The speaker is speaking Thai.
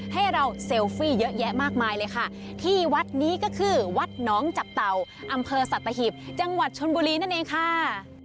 ให้เราเซลฟี่เยอะแยะมากมายเลยค่ะที่วัดนี้ก็คือวัดน้องจับเต่าอำเภอสัตหิบจังหวัดชนบุรีนั่นเองค่ะ